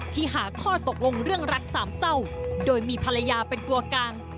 หาข้อตกลงเรื่องรักสามเศร้าโดยมีภรรยาเป็นตัวกลาง